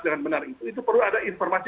dengan benar itu itu perlu ada informasi